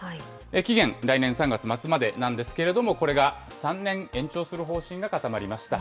期限、来年３月末までなんですけれども、これが３年延長する方針が固まりました。